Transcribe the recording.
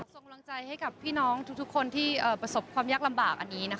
ส่งกำลังใจให้กับพี่น้องทุกคนที่ประสบความยากลำบากอันนี้นะคะ